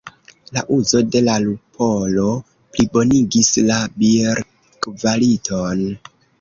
La uzo de lupolo plibonigis la bierkvaliton.